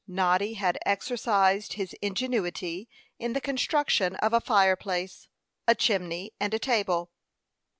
Noddy had exercised his ingenuity in the construction of a fireplace, a chimney, and a table.